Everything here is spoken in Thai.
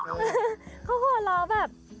เขาหัวเราะแบบ